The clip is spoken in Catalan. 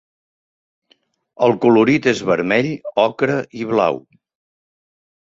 El colorit és vermell, ocre i blau.